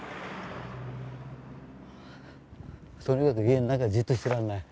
とにかく家の中じっとしていられない。